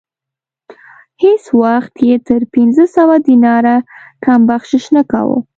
هیڅ وخت یې تر پنځه سوه دیناره کم بخشش نه کاوه.